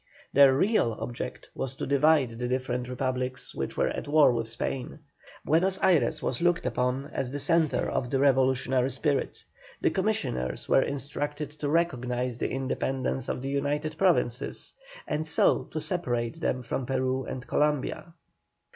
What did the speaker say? Their real object was to divide the different republics which were at war with Spain. Buenos Ayres was looked upon as the centre of the revolutionary spirit; the commissioners were instructed to recognise the independence of the United Provinces, and so to separate them from Peru and Columbia.